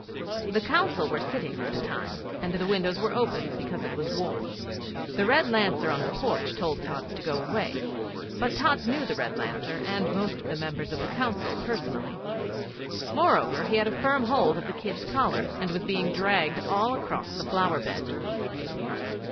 The Council were sitting at the time, and the windows were open because it was warm. The Red Lancer in the porch told Tods to go away; but Tods knew the Red Lancer and most of the Members of Council personally. Moreover, he had firm hold of the kid's collar, and was being dragged all across the flower beds.